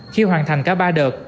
khi hoàn thành cả ba đợt